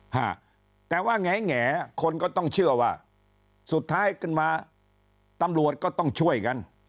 ฮะแต่ว่าแง่คนก็ต้องเชื่อว่าสุดท้ายขึ้นมาตำรวจก็ต้องช่วยกัน